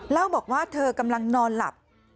เล่าบอกว่าเธอกำลังนอนหลับ